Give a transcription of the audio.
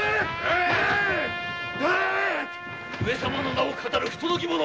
上様の名を騙る不届き者。